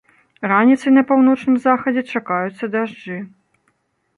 Раніцай на паўночным захадзе чакаюцца дажджы.